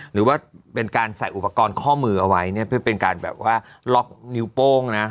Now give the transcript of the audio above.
หรือว่าเป็นการใส่อุปกรณ์ข้อมือเอาไว้เนี่ยเพื่อเป็นการแบบว่าล็อกนิ้วโป้งนะ